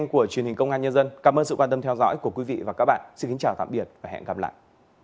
cảm ơn các bạn đã theo dõi và hẹn gặp lại